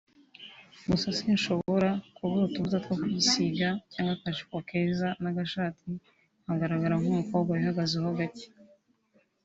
gusa sinshobora kubura utuvuta two kwisiga cyangwa akajipo keza n’agashati nkagaragara nk’umukobwa wihagazeho gake